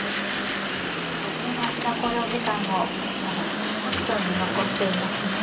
ただ稲葉八段考慮時間をまだ３分残していますね。